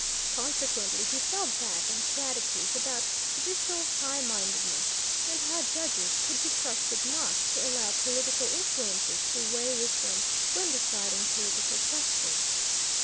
Consequently he fell back on platitudes about judicial high mindedness, and how judges could be trusted not to allow political influences to weigh with them when deciding political questions.